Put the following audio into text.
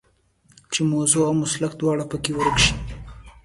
چې موضوع او مسلک دواړه په کې ورک شي.